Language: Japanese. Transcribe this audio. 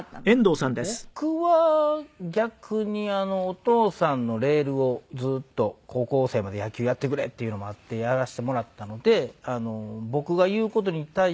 僕は逆にお父さんのレールをずっと高校生まで野球やってくれっていうのもあってやらせてもらったので僕が言う事に対してはもう全く反対はなかったです。